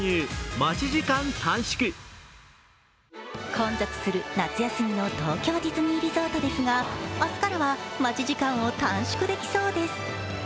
混雑する夏休みの東京ディズニーリゾートですが明日からは待ち時間を短縮できそうです。